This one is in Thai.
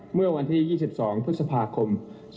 เมื่อวันที่๒๒พฤษภาคม๒๕๖